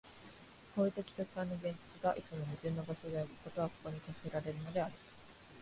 行為的直観の現実が、いつも矛盾の場所であり、事はここに決せられるのである。